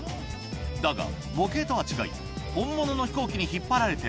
だが模型とは違い